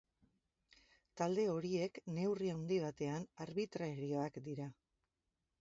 Talde horiek neurri handi batean arbitrarioak dira.